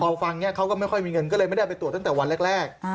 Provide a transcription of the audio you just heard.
พอฟังเนี่ยเขาก็ไม่ค่อยมีเงินก็เลยไม่ได้เอาไปตรวจตั้งแต่วันแรก